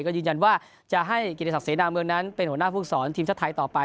ก็ยืนยันว่าจะให้กิริสักเสนามเมืองนั้นเป็นหัวหน้าฟูกศรทีมชาติไทยต่อไป